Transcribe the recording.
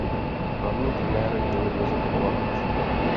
Hlavním trenérem byl Jozef Chovanec.